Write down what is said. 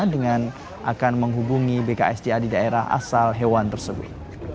dengan akan menghubungi bksda di daerah asal hewan tersebut